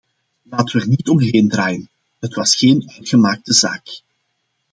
Laten we er niet omheen draaien: het was geen uitgemaakte zaak.